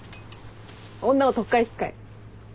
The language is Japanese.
女を取っ換え引っ換え？